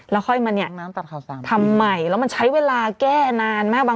แล้วค่อยมาเนี่ยทำใหม่แล้วมันใช้เวลาแก้นานมาก